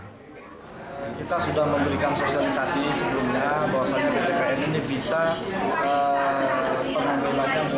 kita sudah memberikan sosialisasi sebelumnya